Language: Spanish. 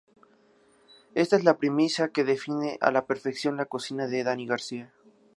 Esta es la premisa que define a la perfección la cocina de Dani García.